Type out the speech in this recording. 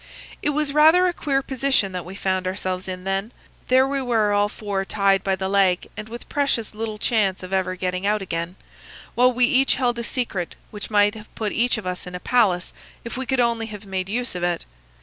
"It was rather a queer position that we found ourselves in then. There we were all four tied by the leg and with precious little chance of ever getting out again, while we each held a secret which might have put each of us in a palace if we could only have made use of it.